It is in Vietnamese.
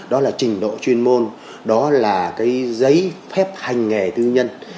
đó là trình độ chuyên môn đó là cái giấy phép hành nghề tư nhân